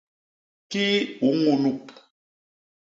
Kii a ñunup?